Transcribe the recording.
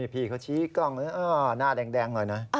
พี่เขาชี้กล้องนะหน้าแดงหน่อยนะ